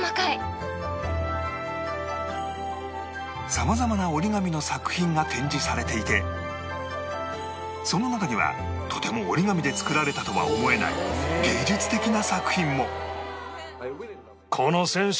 様々な折り紙の作品が展示されていてその中にはとても折り紙で作られたとは思えない芸術的な作品も